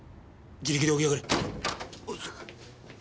自力で起き上がれ。